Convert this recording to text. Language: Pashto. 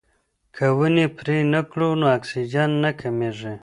که ونې پرې نه کړو نو اکسیجن نه کمیږي.